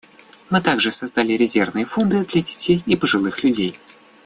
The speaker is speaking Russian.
Мы также создали резервные фонды для детей и пожилых людей.